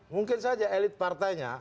mungkin saja elit partainya